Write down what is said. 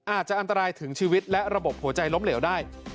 อาจจะอันตรายถึงชีวิตและระบบหัวใจล้มเหลวได้